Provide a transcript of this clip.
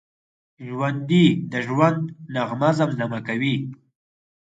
ژوندي د ژوند نغمه زمزمه کوي